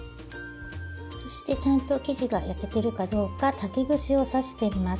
そしてちゃんと生地が焼けてるかどうか竹串を刺してみます。